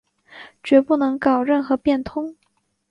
决不能搞任何变通